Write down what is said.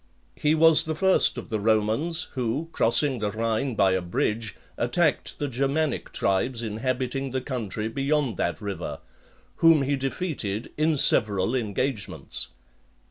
He was the first of the Romans who, crossing the Rhine by a bridge, attacked the Germanic tribes inhabiting the country beyond that river, whom he defeated in several engagements.